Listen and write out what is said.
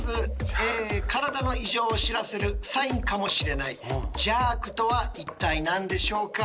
え体の異常を知らせるサインかもしれないジャークとは一体何でしょうか？